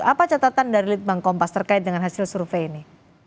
apa catatan dari litbang kompas terkait dengan hasil survei ini